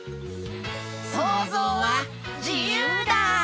そうぞうはじゆうだ！